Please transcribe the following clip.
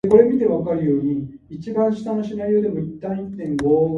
There is no odor so bad as that which arises from goodness tainted.